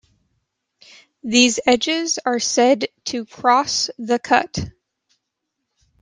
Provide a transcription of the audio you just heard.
These edges are said to cross the cut.